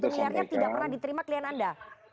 satu miliarnya tidak pernah diterima klien anda